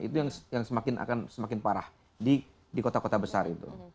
itu yang akan semakin parah di kota kota besar itu